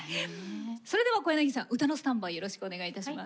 それでは小柳さん歌のスタンバイよろしくお願いいたします。